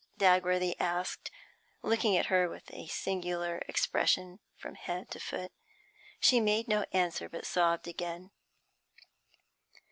Dagworthy asked, looking at her with a singular expression, from head to foot. She made no answer, but sobbed again.